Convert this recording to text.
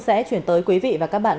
sẽ chuyển tới quý vị và các bạn